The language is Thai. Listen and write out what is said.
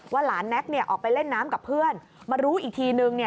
หลานแน็กออกไปเล่นน้ำกับเพื่อนมารู้อีกทีนึง